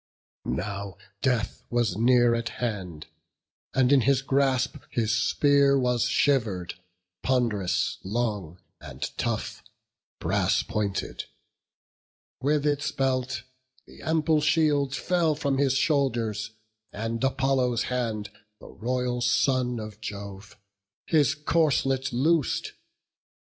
Now death was near at hand; and in his grasp His spear was shiver'd, pond'rous, long, and tough, Brass pointed; with its belt, the ample shield Fell from his shoulders; and Apollo's hand, The royal son of Jove, his corslet loos'd.